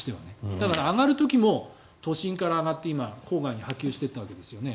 だから上がる時も都心から上がって今、郊外に波及していったわけですよね。